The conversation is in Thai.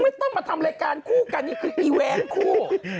ต้องมาทำรายการคู่กันนี่คืออีเวนต์คู่